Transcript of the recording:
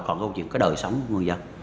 còn câu chuyện cái đời sống của người dân